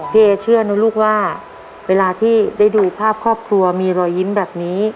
เอเชื่อนะลูกว่าเวลาที่ได้ดูภาพครอบครัวมีรอยยิ้มแบบนี้